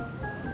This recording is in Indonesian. makasih ya pak